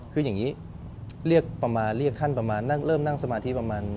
คืออย่างนี้เรียกขั้นประมาณเริ่มนั่งสมาธิประมาณ